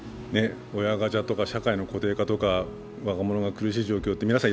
親ガチャとか社会の固定化とか若者が苦しい状況って、皆さん